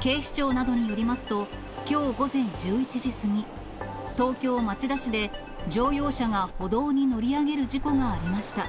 警視庁などによりますと、きょう午前１１時過ぎ、東京・町田市で、乗用車が歩道に乗り上げる事故がありました。